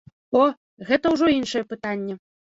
О, гэта ўжо іншае пытанне.